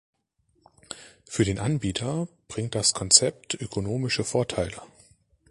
Für den Anbieter bringt das Konzept ökonomische Vorteile.